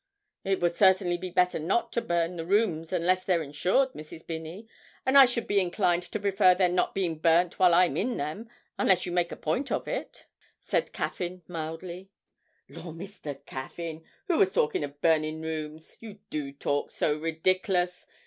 'It would certainly be better not to burn the rooms, unless they're insured, Mrs. Binney, and I should be inclined to prefer their not being burnt while I'm in them, unless you make a point of it,' said Caffyn mildly. 'Lor, Mr. Caffyn, who was talking of burnin' rooms? You do talk so ridiklus.